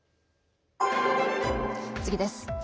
次です。